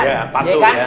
iya patuh ya